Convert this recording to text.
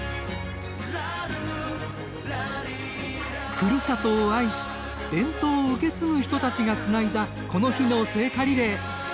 ふるさとを愛し伝統を受け継ぐ人たちがつないだこの日の聖火リレー。